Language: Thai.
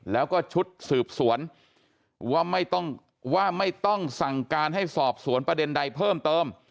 แล้วก็ชุดสืบสวนว่าไม่ต้องว่าไม่ต้องสั่งการให้สอบสวนประเด็นใดเพิ่มเติม